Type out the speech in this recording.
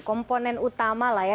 komponen utama lah ya